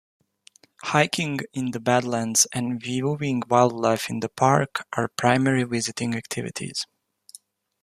Hiking in the badlands and viewing wildlife in the park are primary visiting activities.